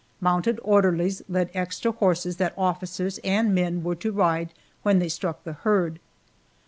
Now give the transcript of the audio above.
Mounted orderlies led extra horses that officers and men were to ride when they struck the herd.